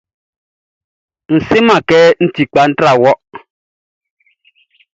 N seman kɛ n ti kpa tra wɔ.